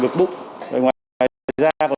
trong đó đặc biệt nặng là những ca đa chấn thương